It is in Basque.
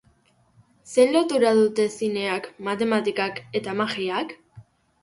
Zein lotura dute zineak, matematikak eta magiak?